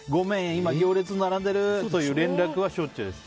今、行列に並んでいるって連絡がしょっちゅうです。